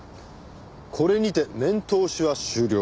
これにて面通しは終了。